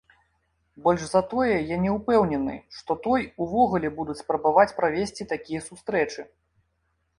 Больш за тое, я не ўпэўнены, што той увогуле будуць спрабаваць правесці такія сустрэчы.